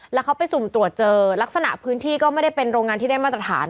แล้วเขาไปสุ่มตรวจเจอลักษณะพื้นที่ก็ไม่ได้เป็นโรงงานที่ได้มาตรฐาน